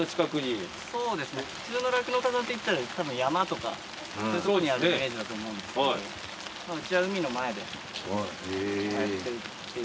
普通の酪農家さんっていったらたぶん山とかそういうとこにあるイメージだと思うんですけどうちは海の前でやってるというのが特徴かなって。